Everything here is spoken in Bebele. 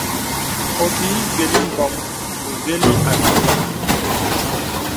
Obìì gə̀lì mbɔ̄m uvəlì àkibà.